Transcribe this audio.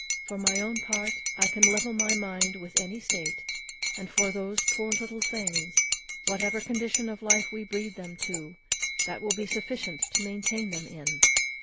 For my own part, I can level my mind with any state; and for those poor little things, whatever condition of life we breed them to, that will be sufficient to maintain them in.